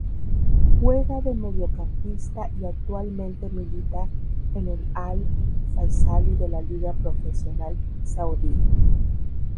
Juega de mediocampista y actualmente milita en el Al-Faisaly de la Liga Profesional Saudí.